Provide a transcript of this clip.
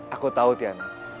aku tahu tiana